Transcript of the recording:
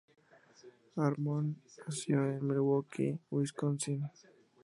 Harmon nació en Milwaukee, Wisconsin.